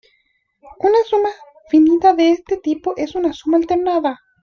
Una suma finita de este tipo es una suma alternada.